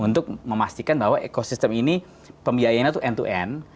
untuk memastikan bahwa ekosistem ini pembiayaannya itu end to end